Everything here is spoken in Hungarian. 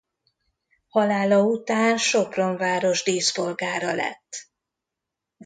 Halála után Sopron város díszpolgára lett.